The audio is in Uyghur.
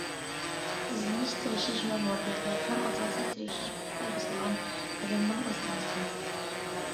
ئىزدىنىش، تىرىشىش مۇۋەپپەقىيەتنىڭ ئاساسى، تىرىشىش پۇختا بېسىلغان قەدەمنىڭ ئىزناسى.